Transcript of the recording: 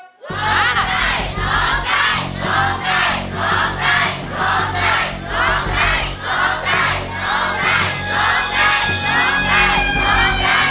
ร้องได้